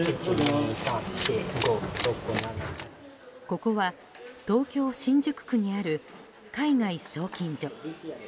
ここは東京・新宿区にある海外送金所。